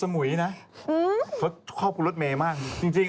เมื่อกลางเราไม่มี